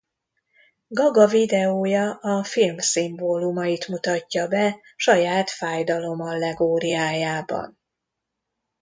Gaga videója a film szimbólumait mutatja be saját fájdalomallegóriájában.